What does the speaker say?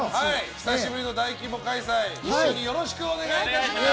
久しぶりの大規模開催一緒によろしくお願いします。